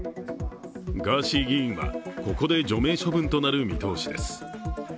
ガーシー議員は、ここで除名処分となる見通しです。